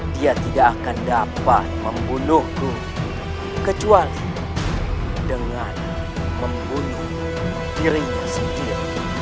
dia tidak akan dapat membunuhku kecuali dengan membunuh dirinya sendiri